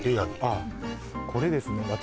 ああこれですね